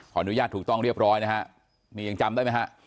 อนุญาตถูกต้องเรียบร้อยนะฮะนี่ยังจำได้ไหมฮะ